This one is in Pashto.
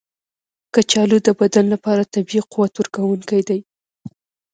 کچالو د بدن لپاره طبیعي قوت ورکونکی دی.